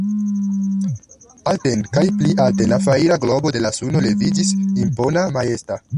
Alten kaj pli alten la fajra globo de la suno leviĝis, impona, majesta.